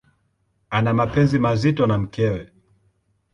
Ana mapenzi mazito na mkewe.